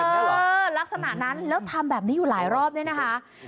เออลักษณะนั้นแล้วทำแบบนี้อยู่หลายรอบด้วยนะคะ